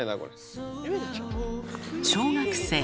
小学生。